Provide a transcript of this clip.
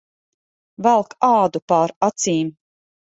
Velk ādu pār acīm.